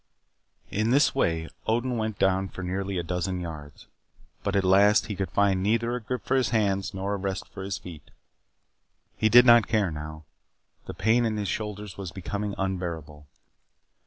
In this way, Odin went down for nearly a dozen yards. But at last he could find neither a grip for his hands nor a rest for his feet. He did not care now. The pain in his shoulders was becoming unbearable.